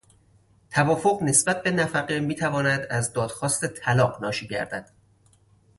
توافق نسبت به نفقه میتواند از دادخواست طلاق ناشی گردد.